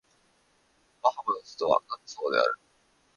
バハマの首都はナッソーである